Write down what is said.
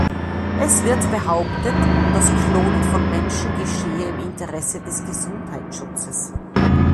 Es wird behauptet, das Klonen von Menschen geschehe im Interesse des Gesundheitsschutzes.